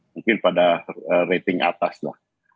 mungkin pada rating atas lah